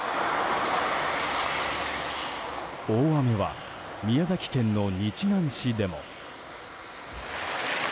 大雨は宮崎県日南市でも。